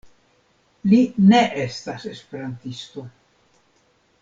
Li ne estas esperantisto.